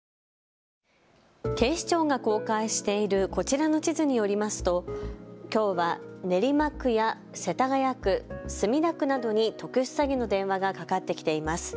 警視庁が公開しているこちらの地図によりますときょうは練馬区や世田谷区、墨田区などに特殊詐欺の電話がかかってきています。